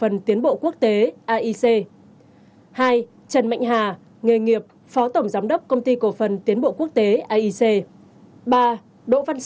người nghiệp tổng giám đốc công ty cổ phần mô pha